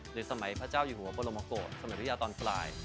หรือสมัยพระเจ้าหญิงหัวบรมกฎสมัยวิทยาตอนฝราย